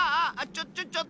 ちょちょちょっと！